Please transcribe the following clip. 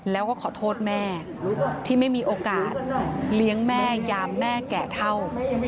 แล้วก็ขอโทษแม่ที่ไม่มีโอกาสเลี้ยงแม่ยามแม่แก่เท่า